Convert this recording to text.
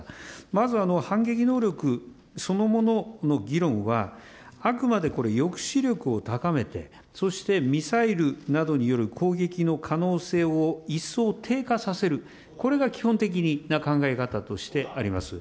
まず、反撃能力そのものの議論は、あくまでこれ、抑止力を高めて、そしてミサイルなどによる攻撃の可能性を一層低下させる、これが基本的な考え方としてあります。